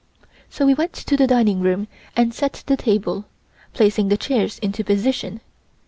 So we went to the dining room and set the table, placing the chairs into position.